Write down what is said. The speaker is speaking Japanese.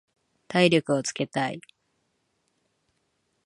体力をつけたい。